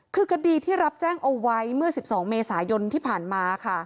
คือคดีที่รับแจ้งเอาไว้เมื่อ๑๒เมษายนที่ผ่านมาค่ะ